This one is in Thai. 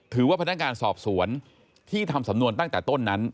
ถือว่าพนักงานสอบสวนที่ทำสำนวนตั้งแต่ต้นนั้น